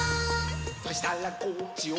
「そしたらこっちを」